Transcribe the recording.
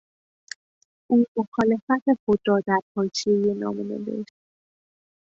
او مخالفت خود را در حاشیهی نامه نوشت.